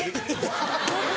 ハハハ。